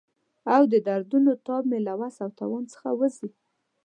او د دردونو تاب مې له وس او توان څخه وځي.